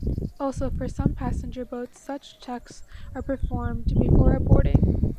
Also for some passenger boats such check are performed before boarding.